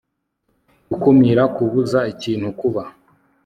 gukumira kubuza ikintu kuba.